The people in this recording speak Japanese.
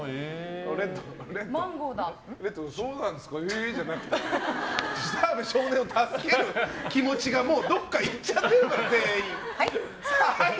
レッドそうなんですか、へえじゃなくて澤部少年を助ける気持ちがもうどっかいっちゃってるからはい？